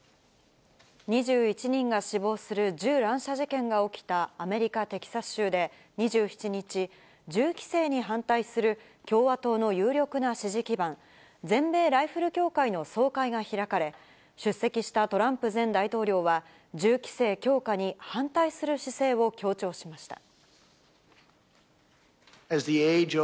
２１人が死亡する銃乱射事件が起きたアメリカ・テキサス州で２７日、銃規制に反対する共和党の有力な支持基盤、全米ライフル協会の総会が開かれ、出席したトランプ前大統領は銃規制強化に反対する姿勢を強調しました。